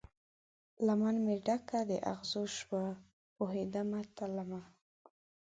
لمن مې ډکه د اغزو شوه، پوهیدمه تلمه